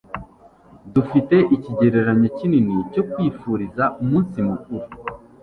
dufite icyegeranyo kinini cyo kwifuriza umunsi mukuru